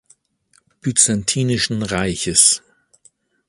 Byzantinischen Reiches.